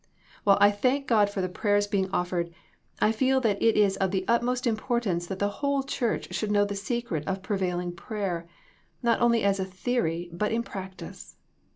While I thank God for the prayers being offered I feel that it is of the utmost importance that the whole Church should know the secret of prevail ing prayer, not only as a theory, but in practice.